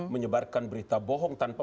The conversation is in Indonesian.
menyebarkan berita bohong tanpa